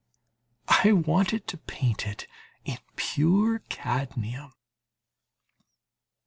I wanted to paint it in pure cadmium{DD}.